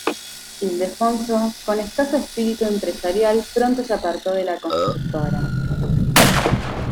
Ildefonso, con escaso espíritu empresarial pronto se apartó de la constructora.